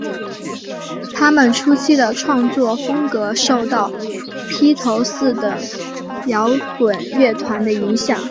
她们初期的创作风格受到披头四等摇滚乐团的影响。